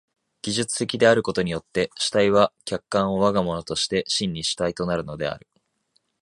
技術的であることによって主体は客観を我が物として真に主体となるのである。